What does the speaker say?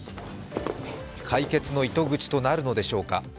解決の糸口となるのでしょうか。